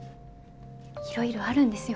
いろいろあるんですよ